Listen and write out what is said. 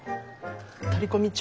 取り込み中？